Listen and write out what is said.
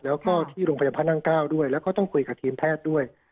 แล้วก็ที่โรงพยาบาลพระนั่งเก้าด้วยแล้วก็ต้องคุยกับทีมแพทย์ด้วย